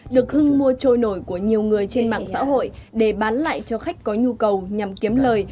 được hưng mua trôi nổi của nhiều người trên mạng xã hội để bán lại cho khách có nhu cầu nhằm kiếm lời